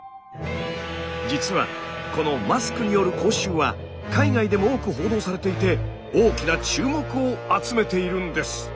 実はこのマスクによる口臭は海外でも多く報道されていて大きな注目を集めているんです。